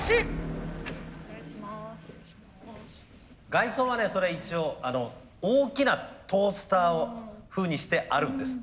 外装はねそれ一応大きなトースター風にしてあるんです。